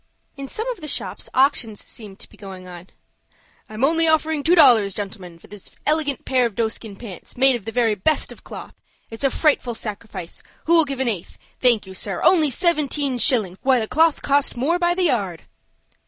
In some of the shops auctions seemed to be going on. "I am only offered two dollars, gentlemen, for this elegant pair of doeskin pants, made of the very best of cloth. It's a frightful sacrifice. Who'll give an eighth? Thank you, sir. Only seventeen shillings! Why the cloth cost more by the yard!"